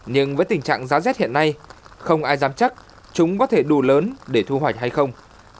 nhưng với tình trạng giá rét hiện nay không ai dám chắc chúng có thể đủ lớn để thu hoạch hay không